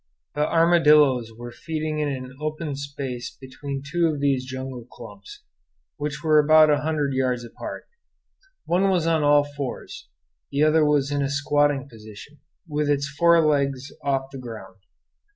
The armadillos were feeding in an open space between two of these jungle clumps, which were about a hundred yards apart. One was on all fours; the other was in a squatting position, with its fore legs off the ground.